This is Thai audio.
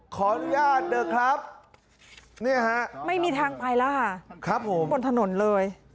ขออนุญาตเถอะครับเนี่ยฮะไม่มีทางไปแล้วค่ะครับผมบนถนนเลย